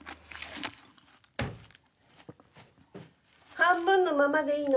半分のままでいいの？